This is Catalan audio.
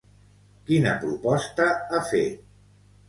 Quina proposta ha fet?